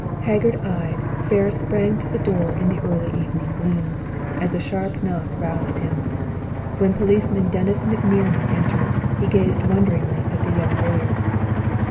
Haggard eyed Ferris sprang to the door in the early evening gloom, as a sharp knock roused him. When Policeman Dennis McNerney entered, he gazed wonderingly at the young lawyer.